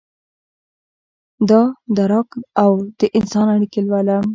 دادراک اودانسان اړیکې لولم